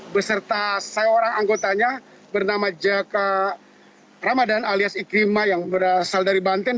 beserta seorang anggotanya bernama jaka ramadan alias ikrimah yang berasal dari banten